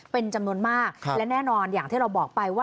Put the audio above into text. เป็นจำนวนมากและแน่นอนอย่างที่เราบอกไปว่า